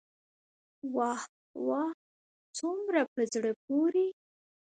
واه واه څومره په زړه پوري.